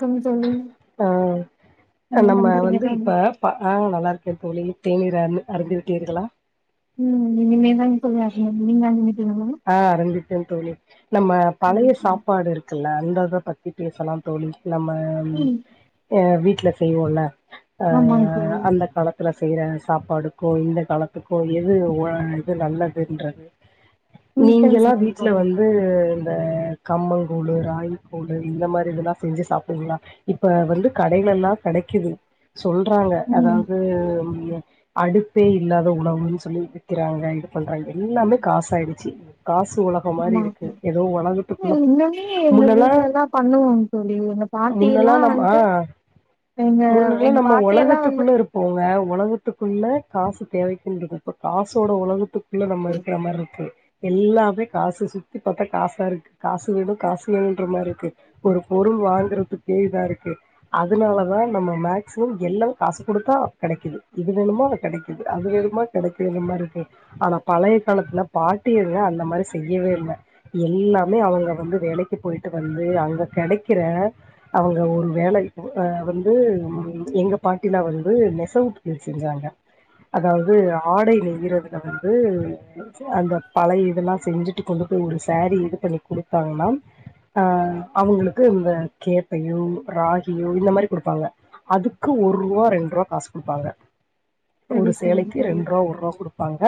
Come தோழி ஆ என்ன நம்ம பண்றீங்க வந்து தோழி இப்ப ப ஆ நல்லா இருக்கே தோழி தேநீர் அருந் அருந்து விட்டீர்களா ம் இனிமேல்தாங் தோழி அருந்தனு நீங்க அருந்து ஆ அறிந்திட்டேன் தோழி நம்ம பழைய சாப்பாடு இருக்குல்ல அந்த அத பத்தி பேசலாம் தோழி நம்ம ம் ஏ வீட்டு ட்ல செய்வோல்ல ஆமாங் ஆஹ் தோழி அந்த காலத்துல செய்யறாங்க சாப்பாடுக்கோ இந்த காலத்துக்கோ எது ஒல இது நல்லதுன்ற ம் நீங்க எல்லா பேசலாங் வீட்ல தோழி வந்து இந்த கம்மங்கூழு ராகிக்கூழு இந்த மாதிரி இதெல்லா செஞ்சி சாப்பிடுவிங்களா இப்ப வந்து கடைல எல்லா கெடைக்குது சொல்றாங்க ம் அதாவது அடுப்பே இல்லாத உணவுன்னு சொல்லி விக்கிறாங்க இது பண்றாங்க எல்லாமே காஸ் ஆடி ச்சி காசு உலகம் மாரி ஆமாங் இருக்கு தோழி ஏதோ ஒலகத்துக்குள்ள இன்னுமே எங்க முன்னெல்லா வீட்லல்லா பண்ணுவோங் தோழி எங்க பாட்டி முன்னெல்லா எல்லா நம் ஆ வந்துட்டு எங்க முன்னெல்லா எங்க நம்ம பாட்டி எல்லா ஒலகத்துக்குள்ள வந்துட்டு இருப்போங்க ஒலகத்துக்கு குள்ள காசு தேவைக்கின்றது இப்ப காசோட உலகத்துக் உள்ள நம்ம இருக்கிற மாரி இருக்கு எல்லாமே காசு சுத்தி பாத்தா காசா இருக்கு காசு வேணு காசு வேணுன்ற மாரிக்கு ஒரு பொருள் வாங்குறதுகே இதா இருக்கு அதனாலதா நம்ம மேக்சிமம் எல்லாம் காசு குடுத்தா கெடைக்குது இது வேணுமா அது கெடைக்குது மாரி இருக்கு ஆனா பழைய காலத்துல பா ட்டிர்ங்க அந்த மாரி செய்யவே இல்ல எல்லாமே அவுங்க வந்து வேலைக்கு போயிட்டு வந்து அங்க கெடைக்கிற அவுங்க ஒரு வேலை அ வந்து எங்க பாட்டிலா வந்து நெசவு தொழில் செஞ்சாங்க அதாவது ஆடை நெய்றதுல வந்து அந்த பழைய இதெல்லா செஞ்சுட்டு கொண்டு போய் ஒரு சாரீ இது பண்ணி குடுத்தாங்கன்னா அ அவுங்களுக்கு இந்த கேப்பையோ ராகியோ இந்த மாதிரி குடுப்பாங்க அதுக்கு ஒரு ரூவா ரெண்டு ரூவா காசு குடுப்பாங்க சரி ஒரு சரிங்க சேலைக்கு தோழி ரெண்டு ரூவா ஒரு ரூவா குடுப்பாங்க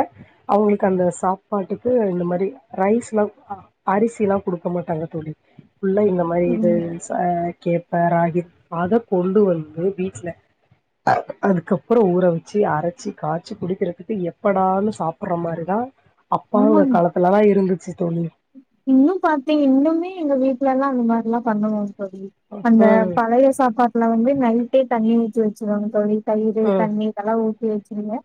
அவுங்களுக்கு அந்த சாப் பாட்டுக்கு இந்த மாரி ரைஸ்ல்லா அரிசில்லா குடுக்கமாட்டாங்க தோழி ஃபுல்லா இந்த மாரி சரிங்க இதுஸ் ஆ கேப்பே ரா அத கொண்டு வந்து வீட்ல அதுக்கப்புறெ ஊற வச்சு அரச்சி காச்சி குடிக்கிறதுக்கு எப்படான்னு சாப்புட்ற மாரிதா அப்பாங்க ஆமாங்க காலத்துலலா இருந்துச்சு தோழி இன்னு பாத்தீங் இன்னுமே எங்க வீட்லல்லா அந்த மாரில்லா பண்ணுவாங்க தோழி‌ அந்த ம் பழைய சாப்பாட்ல வந்து நைட்டே தண்ணி ஊ த்தி வச்சுருவாங்க தோழி தயிரு‌ ம் தண்ணி இதெல்லா ஊ த்தி வச்சுருங்க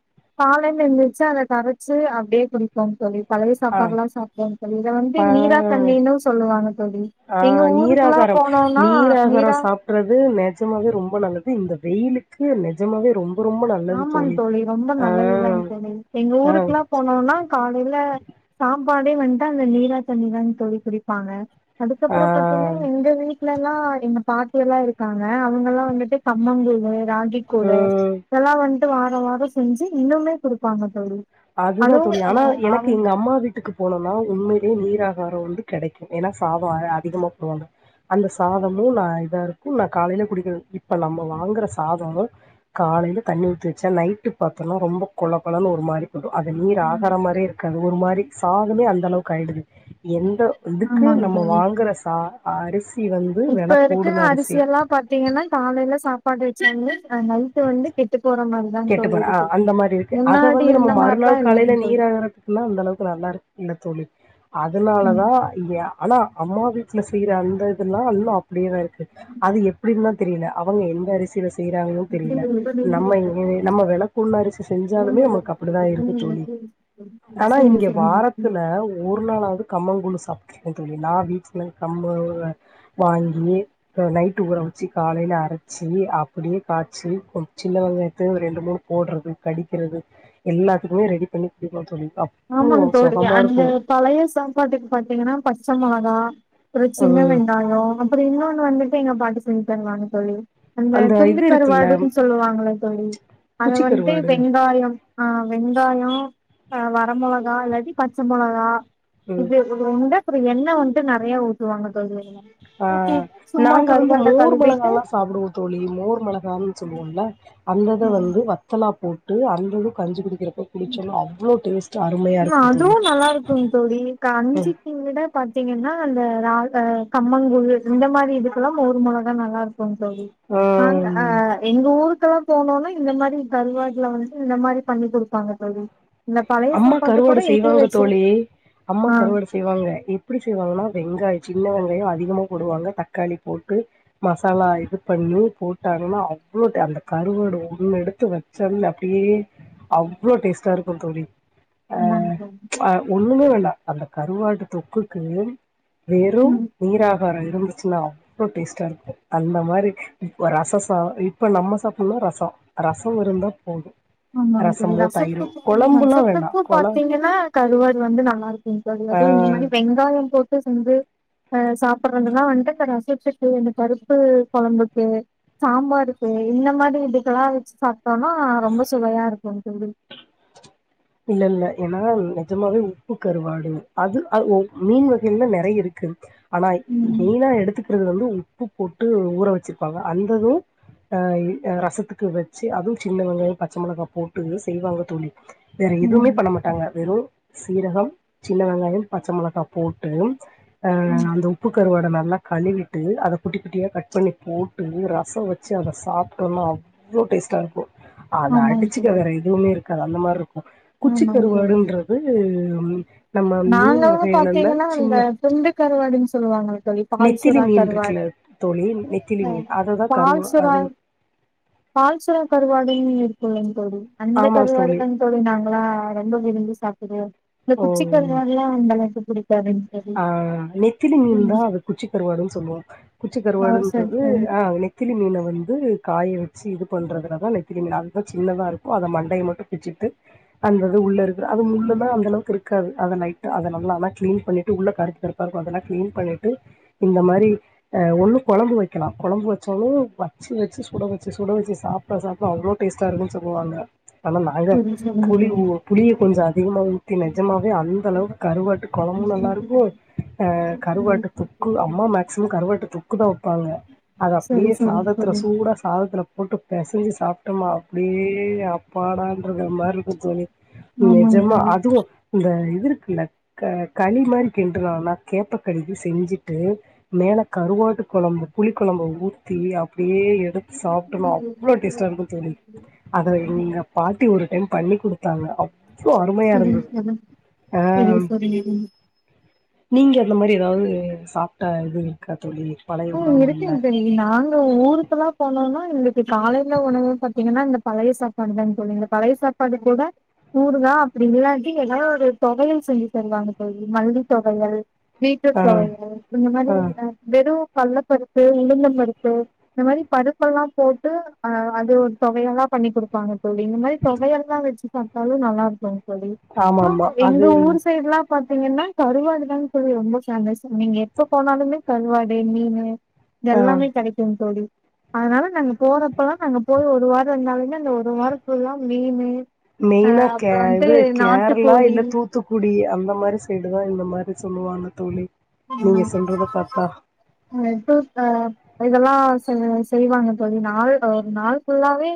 காலைல எந்துர்ச்சு அத கரச்சு அப்டியே குடிப்போம் தோழி பழய ஆ சாப்பாட்லா சாப்டே தோழி இத வந்து பா நீரா தண்ணின்னு சொல் வாங்க ஆ நீராகாரம் நீராகார நீரா சாப்புறது நெஜமாவே ரொம்ப நல்லது இந்த வெயிலுக்கு நெஜமாவே ரொம் ஆமாங் தோழி ரொம்ப நல்லதுதாங் தோழி எங்க ஆ ஊருக்குலா போனோன்னா காலைல சா ப்பாடே வன்ட்டு அந்த நீரா தண்ணி தாங் தோழி குடிப்பாங்க ஆ அதுக்கப்றொ பாத்தீங்னா எங்க வீட்லல்லா எங்க பா ட்டியெல்லா இருக்காங்க அவுங்கல்லா வந்துட்டு கம்மங் கூழு ராகி கூழு ம் இதெல்லா வன்ட்டு வார வாரொ செஞ்சு இன்னுமே குடுப்பாங்க தோழி அதுதா அதுவு தோழி ஆனா எனக்கு அவங் எங்க அம்மா வீட்டுக்கு போனொன்னா உண்மைலே நீரா காரொ வந்து கெடைக்கு ஏனா சாதொ அதிகமா போடுவாங்க அந்த சாதமு நா இதா இருக்கு நா காலைல குடிக்குற இப்ப நம்ம வாங்குற சாதமு காலைல தண்ணி ஊத்தி வச்சா நைட்டுக் பாத்தோன்னா ரொம்ப கொழ கொழன்னு ஒரு மாரி வரு அது நீர் ம் ஆகார மாரியே இருக்காது ஒரு மாரி சாதமே அந்தளவுக்கு ஆயிடுது எந்த இதுக்கு ஆமாங் நம்ம தோழி வாங்குற சா அரிசி வந்து வெல இப்ப இருக்க கூடுன அரிசி அரிசியெல்லா பாத்தீங்கனா காலைல சாப்பாடு சொல்லி கெட்டு தோழி போற ஆ இருக்கு அந்த மாரி இருக்கு அத முன்னாடி வந்து நம்ம இருந்த மாரிலா மறுநாள் இல்லைங் காலைல தோழி நீர் ஆகாரத்துக்னா அந்த அளவுக்கு நல்லா இருக் இல்ல தோழி அதுனால ம் தா ய ஆனா அம்மா வீட்ல செய்யிற அந்த இதுல்லா இன்னு அப் டியேதா இருக்கு அது எப்டிந்தா தெரியில அவுங்க எந்த அரிசில செய்றா தெரில சரி, நம்ம நம்ம விளக் புன்னரிசி செஞ்சாலுமே நமக்கு அப்டித்தா இருக்கு தோழி ஆனா இங்க சரிங்க. வாரத்துல ஒரு நாளாவது கம்மங்கூழு சாப்படுருங்கேன் தோழி நா வீட்ல கம்ம வாங்கி நைட்டு் ஊற வச்சு காலையில் அரைச்சி அப்டியே காய்ச்சு கொஞ் சின்ன வெங்காயத்து ரெண்டு மூணு போடுறது கடிக்கிறது எல்லாத்துக்குமே ரெடி பண்ணி குடுப்பேன் தோழி அவ்ளோ ஆமாங்க தோழி சொகமா அந்த இருக்கு. பழைய சாப்பாட்டுக்கு பாத்தீங்கன்னா பச்சா மிளகா ம் ஒரு சின்ன ம் வெங்கயம் அப்றோ இன்னொன்னு வந் எங்க பாட்டி செஞ்சு தருவாங்க தோழி அந்த துண்டு இது இருக்குல்ல கருவாடுன்னு சொல்லுவாங்களே தோழி அத குச்சி வந்துடு கருவாடு வெங்காயம் ஆ வெங்காயம் ஆமா வர மொளகா இல்லாட்டி பச்சை மிளகா ம் இது எப்பவுமே ரெண்டு அப்றோ எண்ணை வந்து நெறைய ஊத்துவாங்க தோழி அதுல ஆ ஊத்திட்டு சும்மா நாங்க வந்து கருவாட மோர் மொளகா கழுவிட்டு எல்லா சாப்பிடுவோம் தோழி மோர் மொளகனு சொல்லுவோம்ல்ல அந்தத ம் வந்து வத்தலா போட்டு து அந்தது கஞ்சு குடிக்கிற குடிச்சாலும் அவ்ளோ டேஸ்ட் அருமையா இருக்கு தோழி. அதுவும் நல்லா இருக்கும் தோழி ஆ கஞ்சிக்கு விட பாத்தீங்கன்னா அந்த ரா கம்மங்கழு இந்த மாரி இதுக்கெல்லாம் மோர் மொளகா தா நல்லா இருக்கும் தோழி நா அ எங்க ஊர் வீட்லல்லாம் போனோனா இந்த மாரி கருவாடல வந்து இந்த மாரி பண்ணி குடுப்பாங்க தோழி இந்த பழைய அம்மா சோறு கருவாடு செய்வாங்க தோழி அம்மா ஆ கருவாடு செய்வாங்க எப்டி செய்வாங்கன்னா வெங்காயம் சின்ன வெங்காயம் அதிகமா போடுவாங்க தக்காளி போட்டு மசாலா இது பண்ணி போட்டாங்கன்னா அவ்ளோ அந்த கருவோடு ஒண்ணு எடுத்து வச்ச அப்டியே அவ்ளோ டேஸ்ட்டா இருக்கும் தோழி அ ஆமாங் தோழி அ ஒண்ணுமே வேண்டாம் அந்த கருவாட்டு தொக்குக்கு வெறும் ம் நீரா இருந்துச்சுன்னா அவ்ளோ டேஸ்ட்டா இருக்கும் அந்த மாதிரி ரசம் சாதம் இப்ப நம்ம சாப்பிடனும் ரசம் ரசம் இருந்தா போதும் ஆமாக ரசத்துக்கு ரசத்துக் வேண்டாம் உப்பு குழ பாத்தீங்கன்னா கருவாடு வந்து நல்லா இருக்கும் அல்லது இந்த ஆ மாதிரி வெங்காயோ போட்டு வந்து அ சாப்பிடுறதுெல்லா வந்துட்டு ரசத்துக்கு இந்த பருப்பு கொழம்புக்கு சாம்பாருக்கு இந்த மாதிரி இதுக்கெல்லா வச்சு சாப்பிட்டோம்னா ரொம்ப சுவையா இருக்கு தோழி இல்ல இல்ல ஏன்னா நிஜமாவே உப்பு கருவாடு அது அத் மீன் வகைல நிறைய இருக்கு ஆனா இப் ம் மெயினா எடுத்துக் து வந்து உப்பு போட்டு ஊற வச்சிருப்பாங்க அந்தது அ ரசத்துக்கு வச்சு அதுவு சின்ன வெங்காயோ பச்சை மொளகா போட்டு செய்வாங்க தோழி வேற எதுவுமே ஆமாங்க பண்ண மாட்டாங்க வெறு சீரகம் சின்ன வெங்காயோ பச்ச மிளகா போட்டு அ ம் அந்த உப்பு கருவாட நல்லா கழுவிட்டு அத குட்டி குட்டியா கட் பண்ணி போட்டு ரசம் வச்சு அத சாப்பிட்டோம்னா அவ்வளோ டேஸ்ட்டா இருக்கு ஆன் ஆமாங்க அடிச்சுக்க தோழி வேற எதுவுமே இருக்காது அந்த மாதிரி இருக் குச்சி கருவாடுன்றது நாங்க வந்து பாத்தீங்கன்னா இந்த சின்ன துண்டு கருவாடுன்னு சொல்லுவாங்கல்ல தோழி நெத்திலி பால்சுரா மீன் கருவாடு இருக்குல்ல தோழி நெத்திலி ம் மீன் அததான் கருவா பால்சுரா அது பால்சுரா கருவாடு புள்ளைங்க இருக்குல்லங்க அந்த கருவாடு தான தோழி நாங்களா ரொம்ப விரும்பி சாப் ம் இந்த ஓ குச்சிக்கல்லல்லா [unintelligible] ஆ நெத்திலி மீன் ம் தா அது குச்சி கருவாடுன்னு சொல்லுவோ குச்சி ஓ சரி கருவாடுன்றது தோழி ஆ நெத்திலி மீன வந்து காய வச்சு இது பண்றதுலதா நெத்திலிமீன் அதுதா சின்னதா இருக்கு அத மண்டைய மட்டு பிச்சிட்டு அந்தது முள்ருக் அது முள்ளலா அந்த அளவுக்கு இருக்காது அத நைட்டு அத நல்லா கிளீன் பண்ணி உள்ள கருப்கருப்பார்க்கு அதெல்லா கிளீன் பண்ணிட்டு இந்தமாரி அ ஒன்னு கொழம்பு வைக்கனு கொழம்பு வச்சாலு வச்சு வச்சு சுட வச்சு சுட வச்சு சாப்பிட சாப்ப அவ்ளோ டேஸ்டாஇருக்கும்னு சொல்லுவாங்க ஆனா நாங்க சரி புளி சரிங்க உ புளிய கொஞ்சோ அதிகமா ஊத்தி நிஜமாவே அந்த அளவுக்கு கருவாட்டு கொழம்பு நல்லா இருக்கு ஓ அ தோழி கருவாட்டு தொக்கு அம்மா மேக்சிமம் கருவாட்டு தொக்கு தா வைப்பாங்க அது அப்படியே சரி சரிங்க சாதத்துல தோழி சூடா சாதத்துல போட்டு பெசைஞ்சு சாப்பிட்டோம்மா அப்படியே அப்பாடான்றது மாதிரி இருக்கு தோழி ஆமாங்க நெஜமா தோழி அதுவு இந்த இது இருக்குல்ல க களி மாரி கிண்டுனனா கேப்ப களி செஞ்சுட்டு மேல கருவாட்டு கொழம்பு புளிக் கொழம்ப ஊத்தி அப்டி அப்டியே எடுத்து சாப்டோனா அவ்ளோ டேஸ்ட்டா இருக்கு தோழி அத எங்க பாத்தி ஒரு டைம் பண்ணி குடுத்தாங்க அப் சரி சரி ஆ சரி சரிங்க தோழி நீங்க அந்த மாரி ஏதாவது சாப்பிட்ட இது இருக்கா தோழி பழைய ம் உணவுகள்ல இருக்குங்க தோழி நாங்க ஊருக்கெல்லாம் போனோம்னா எங்களுக்கு காலையில உணவு பாத்தீங்கன்னா இந்த பழைய சாப்பாடு தான் தோழி இந்த பழைய சாப்பாடு கூட ஊறுகா அப்படி இல்லாட்டி ஏதாவ ஒரு தொவையல் செஞ்சு தருவாங்க தோழி மல்லி தொவையல் வீட்டு ஆ [unintelligible] இதுக்கு முன்னாடி ஆ வெறும் கள்ளப்பருப்பு உளுந்த பருப்பு இந்த மாதிரி பருப்பெல்லாம் போட்டு அ அது ஒரு தொவையல்லாம் பண்ணி கொடுப்பாங்க தோழி இந்த மாரி தொவையல்லாம் வச்சு சாப்பிட்டாலும் நல்லா இருக்கும் தோழி ஆமா அப்புறோம் ஆமா எங்க அது ஊர் சைட்லாம் பாத்தீங்கன்னா கருவாடு தான் தோழி ரொம்ப ஃபேமஸ் நீங்க எப்ப போனாலுமே கருவாடு ஏ மீனு இது ஆ எல்லாமே கெடைக்கும் தோழி அதனால நாங்க போளப்ப எல்லாம் நாங்க போய் ஒரு வாரம் இருந்தாலுமே அந்த ஒரு வாரத்துல்லாம் மீனு ஆ மெயினா கே அப்றோ வந்ட்டு இது கேரளா நாட்டுக்கோழி இல்ல தூத்துக்குடி அந்த மாதிரி சைடு தான் இந்த மாதிரி சொல்லுவாங்க தோழி நீங்க சொல்றத பாத்தா எப்ப அ இதெல்லாம் செய்வாங்க தோழி நாள் ஒரு நாள் ஃபுல்லாவே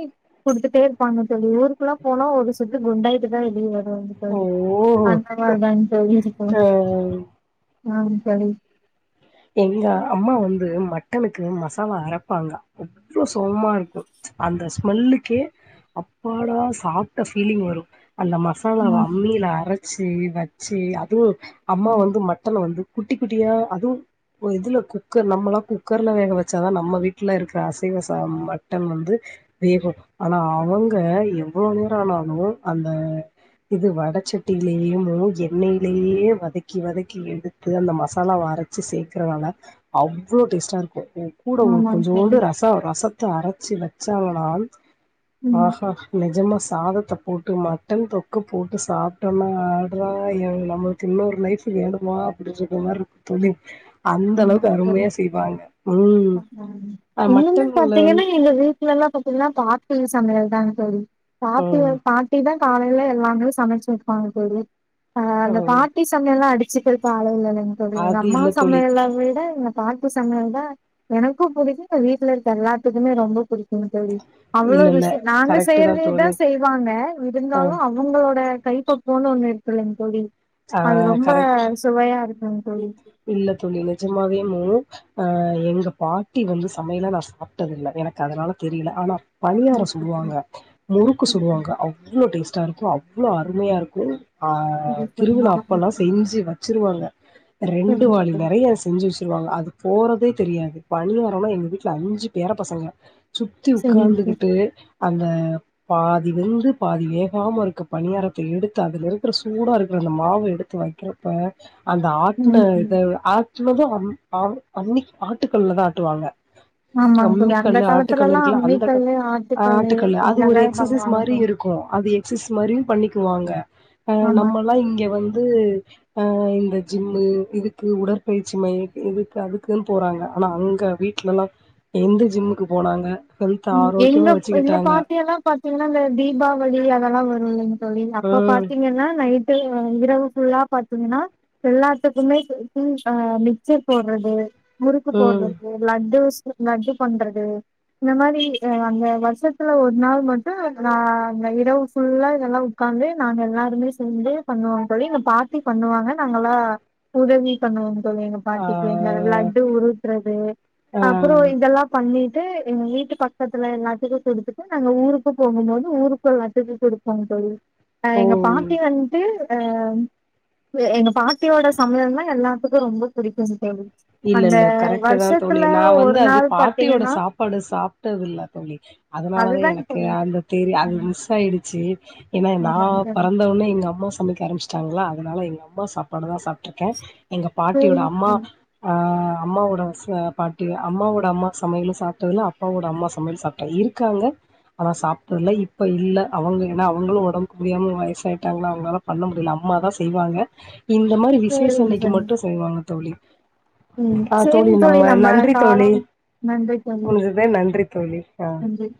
கொடுத்துட்டே இருப்பாங்க தோழி ஊருக்கெல்லாம் போனா ஒரு குண்டாயிட்டு தான் வெளியே வரு செரி ஓ தோழி ஆ [unintelligible] நானும் தோழி எங்க அம்மா வந்து மட்டனுக்கு மசாலா அரைப்பாங்க அவ்ளோ சோமா இருக்கும் அந்த ஸ்மெல்லுக்கே அப்பாடா சாப்ட்ட ஃபீலிங் வரும் அந்த மசாலா ஆ அம்மில அரைச் ச்சி வச்சி அதுவும் அம்மா ம் வந்து மட்டன வந்து குட்டி குட்டியா அதுவும் இதுல குக்கர் நம்மளாம் குக்கர்ல வேக வச்சாதான் நம்ம வீட்டுல இருக்கிற அசைவச மட்டன் வந்து வேகும் ஆனா அவங்க எவ்வளவு நேரம் ஆனாலும் அந்த இது வடச்சட்டிலயமும் எண்ணெயிலயே வதக்கி வதக்கி எடுத்து அந்த மசாலா வரைச்சு சேக் க்கிறனால அவ்வளோ டேஸ்ட்டா இருக்கும் ஏன் ஸஷகூட உங்களுக்கு ஆமாங் கொஞ்சோண்டு தோழி ரசம் ரசத்தை அரை ச்சி வச்சாங்கனால் ஆ ம் நெஜமா சாதத் போட்டு மட்டன் தொக்கை போட்டு சாப்பிட்டோம்னா ஆடுறா நம்மளுக்கு இன்னொரு நைஃப் வேணமா அப்படின்னு இருக்க மாதிரி இருக்கும் தோழி அந்த அளவுக்கு அருமையா செய்வாங்க ம் இன்னொன்னு மட்டன்ல வந்து பார்த்தீங்கன்னா எங்க வீட்டுல எல்லாம் பாத் சமையல் தா தோழி சாப்பில்ல ம் பாட்டி தா காலையில எல்லாமே சமைச்சுருப்பாங்க தோழி ஆ அந்த ம், பாட்டி சமயல்லா எல்லா அடி சீக்கிரம் பாருங்களேன் தோழி எங்க அது அம்மா இல்லை தோழி சமையலா விட பாட்டி சமையல்தா எனக்கும் புடிக்கும் இந்த வீட்ல இருக்க எல்லாத்துக்குமே ரொம்ப புடிக்கும் செரி அவ்ளோ இல்லை இல்லை விஷயம் நாங்க கரெக்டு செய்யறதே தான் தா தோழி செய்வாங்க ஆ இருந்தாலும் அவங்களோட கைப்பக்குவம்ணு ஒண்ணு இருக்கில்லங்க தோழி ஆ அது ரொம்ப கரெக்ட் சுவையா இருக் இல்ல தோழி நிஜமாவே மூ அ எங்க பாட்டி வந்து சமையல நா சாப்பிட்டதில்ல எனக்கு அதனால தெரில ஆனா பனியாரம் சுடுவாங்க முறுக்கு சுடுவாங்க அவ்ளோ டேஸ்ட் இருக்கும் அவ்ளோ அருமையா இருக்கும் ஆ திருவிழா அப்பல்லா செஞ்சு வச்சு துருவாங்க ரெண்டு வாளி தோழி நெறைய செஞ்சு வச்சருவாங்க அது போறதே தெரியாது பணியாரோனா எங்க வீட்ல அஞ்சு பேர பசங்க சுத்தி செரிங்க தோழி உக்காந்துகிட்டு அந்த பாதி வெந்து பாதி வேகாம இருக்க பணியாரத்தை எடுத்து அதுல இருக்கிற சூடா இருக்கிற அந்த மாவை எடுத்து வைக்கிறப்ப அந்த இல்ல ம் இத ம் ஆ தும் அ அன்னைக்கு ஆட்டுகல்ல தா ஆட்டுவாங்க ஆமாங்க தோழி அந்த அம்மிக்கல்லு காலத்துல ஆட்டுக்கல்லு எல்லா இருக்குல்ல அம்மி அந்த க கல்லு ஆட்டுக்கல்லு அது இதுல ஒரு தா பன்னுவாங்க தோழி எக்சசைஸ் மாரியும் பண்ணிக்குவாங்க அ ஆமா நம்ம எல்லா இங்க வந்து ந்து அ இந்த ஜிம் மு இதுக்கு உடற்பயிற்சி மைய இதுக்கு அதுக்குன்னு போறாங்க ஆனா அங்க வீட்டுலல்லா எந்த ஜிம்முக்கு போனாங்க ஹெல்த் ம் எங்க ஆரோக்கியமா எங்க வச்சுக்கிட்டாங்க பாட்டி எல்லா பாத்தீங்கன்னா இந்த தீபாவளி அதெல்லாம் வரும் ம் சொல்லி அப்ப ம் பாத்தீங்கன்னா நை து இரவு ஃபுல்லா பாத்தீங்கன்னா எல்லாத்துக்குமே சரி அ மிக்சர் போடுறது முறுக்கு ம் போடுறது லட்டு ஸ் லட்டு பண்றது இந்த மாதிரி அந்த வருஷத்துல ஒரு நாள் மட்டு நா அந்த இரவு ஃபுல்லா இதெல்லா உக்காந்து நாங்க எல்லாருமே சேர்ந்து பண்ணுவோங் தோழி எங்க பாட்டி பண்ணுவாங்க நாங்கல்லா உதவி பண்ணுவோங் சொல்லங்க ஆ பாட்டி புள்ளைங்க லட்டு உருட்டுதுறது ஆ அப்புறோ இதெல்லா பண்ணி து எங்க வீட்டு பக்கத்துல எல்லாத்துக்கு குடுத்துட்டு நாங்க ஊருக்கு போகும்போது ஊருக்கு எல்லாத்துக்கு குடுப்போ தோழி அ எங்க ஓ பாட்டி வந்து அ எங்க பாட் பாட்டியோட சமையல் தா எல்லா கு ரம்ப புடிக்கு தோழி இல்ல அந்த இல்ல கரெக்ட்டு தா வருஷத்துல ஒரு நாள் பார்த்தீங்கன்னா ப்பாடு சாப்பிட்டதில்ல தோழி அதனாலதா அதுதா இப்போ எனக்கு அந்த தெரிய அது மிஸ் ஆயிடுச்சு ச ஏன்னா நா ஆமாங்க பொறந்தவுடனே எங்க அம்மா சமைக்க ஆரம்பிச்சிட்டாங்க வச்சாங்களா அதனால எங்க அம்மா சாப்பாடு தா சாப் ருக்கே எங்க தோழி பாட்டியோட அம்மா அ அம்மாவோட ஸ்ன பாட்டி அம்மாவோட அம்மா சமையலு சாப்பிட்டத இல்ல அப்பாவோட அம்மா சமையல் சாப்ட்டா இருக்காங்க அதா சாப்பிட்டதல்ல இப்ப இல்ல அவங்க ஏன்னா அவங்களு ஒடம்பு முடியாம வயசாயிட்டாங்களா அவங்களாலா பண்ண முடியல அம்மாதா செய்வாங்க இந்த மாதிரி சேரிங்க ம் விசேஷ சேரிங்க அன்னைக்கு தோழி மட்டு செய்வாங்க தோழி ம் ஆ சரி தோழி நம்ம நன்றி தோழி காலம் நன்றி தோழி முடிஞ்சது நன்றி தோழி ஆ நன்றி